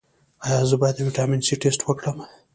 ایا زه باید د ویټامین سي ټسټ وکړم؟